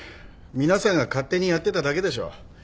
皆さんが勝手にやってただけでしょう。